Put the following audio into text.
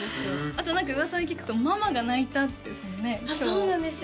あと何か噂に聞くとママが泣いたってそのね今日ねそうなんですよ